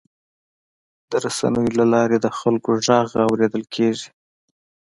د رسنیو له لارې د خلکو غږ اورېدل کېږي.